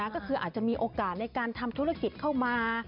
ก็คืออาจจะมีโอกาสในการทำธุรกิจเข้ามา